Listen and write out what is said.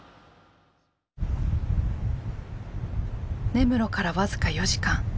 根室から僅か４時間。